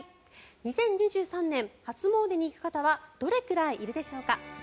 ２０２３年、初詣に行く方はどれくらいいるでしょうか。